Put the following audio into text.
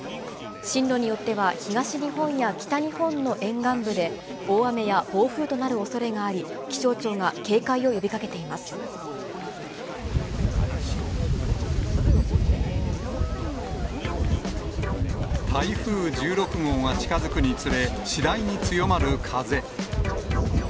進路によっては東日本や北日本の沿岸部で、大雨や暴風となるおそれがあり、台風１６号が近づくにつれ、次第に強まる風。